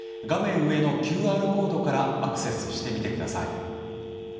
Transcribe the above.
画面上のＱＲコードからアクセスしてみてください。